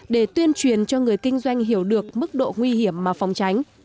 để tuyên truyền cho người kinh doanh hiểu được mức độ nguy hiểm mà phòng tránh